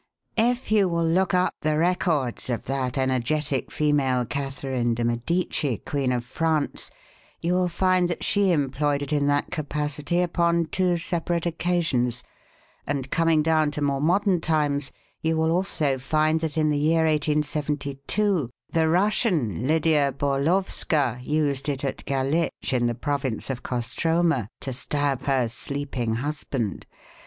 "If you will look up the records of that energetic female, Catherine de Medici, Queen of France, you will find that she employed it in that capacity upon two separate occasions; and coming down to more modern times, you will also find that in the year 1872 the Russian, Lydia Bolorfska, used it at Galitch, in the province of Kostroma, to stab her sleeping husband.